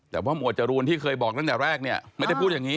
แต่ว่าหมวดจรูนที่เคยบอกตั้งแต่แรกเนี่ยไม่ได้พูดอย่างนี้